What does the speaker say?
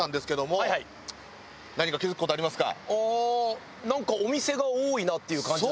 ああーなんかお店が多いなっていう感じが。